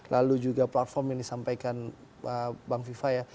lalu juga platform yang disampaikan bang viva ya